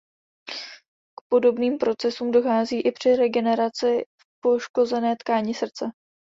K podobným procesům dochází i při regeneraci v poškozené tkáni srdce.